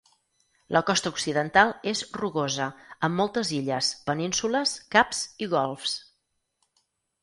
La costa occidental és rugosa, amb moltes illes, penínsules, caps i golfs.